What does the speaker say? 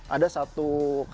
ada satu hal yang sangat penting